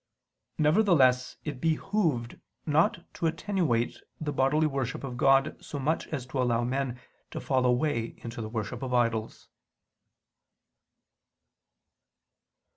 Nevertheless it behooved not to attenuate the bodily worship of God so much as to allow men to fall away into the worship of idols.